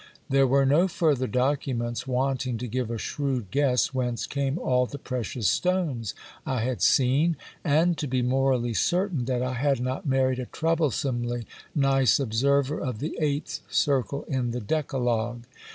There were no further documents wanting to give a shrewd guess whence came all the precious stones I had seen, and to be morally certain that I had not married a troublesomely nice observer of the eighth article in the decalogue.